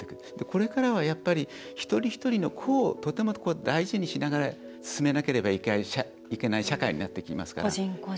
これからは、やっぱり一人一人の個をとても大事にしながら進めなければいけない社会になってきますから。